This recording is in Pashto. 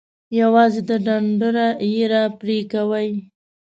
یوازې د ډنډره یی را پرې کوئ.